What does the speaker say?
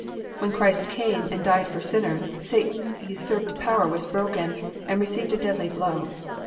When Christ came and died for sinners, Satan's usurped power was broken, and received a deadly blow.